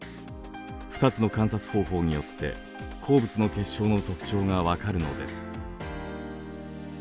２つの観察方法によって鉱物の結晶の特徴が分かるのです。